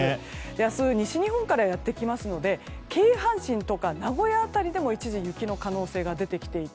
明日、西日本からやってきますので京阪神とか名古屋辺りでも一時、雪の可能性が出てきていて